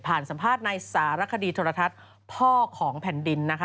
สัมภาษณ์ในสารคดีโทรทัศน์พ่อของแผ่นดินนะคะ